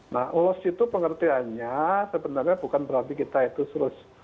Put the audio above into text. nah ulos itu pengertiannya sebenarnya bukan berarti kita itu serius